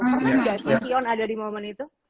pernah gak sih kion ada di momen itu